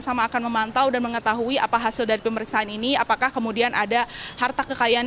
sama akan memantau dan mengetahui apa hasil dari pemeriksaan ini apakah kemudian ada harta kekayaan